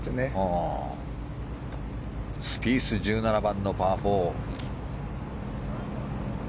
スピース、１７番のパー４。